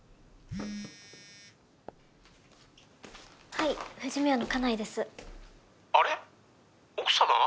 ・はい藤宮の家内ですあれ奥さま？